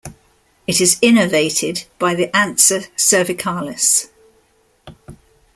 It is innervated by the ansa cervicalis.